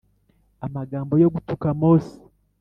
amagambo yo gutuka Mose